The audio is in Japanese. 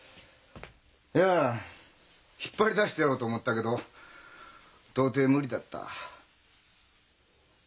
いや引っ張り出してやろうと思ったけど到底無理だった。